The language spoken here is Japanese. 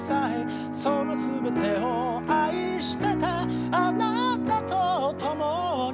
「そのすべてを愛してたあなたと共に」